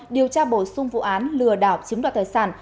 điều tra bổ sung vụ án lừa đảo chiếm đoạt tài sản